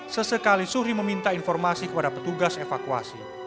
sesekali suhri meminta informasi kepada petugas evakuasi